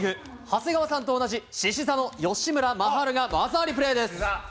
長谷川さんと同じしし座の吉村真晴が技ありプレーです。